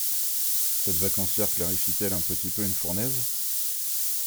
Cette vacancière clarifie-t-elle un petit peu une fournaise?